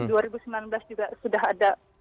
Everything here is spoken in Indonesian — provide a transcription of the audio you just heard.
dua ribu sembilan belas juga sudah ada